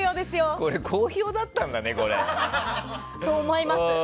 これ、好評だったんだね。と思います。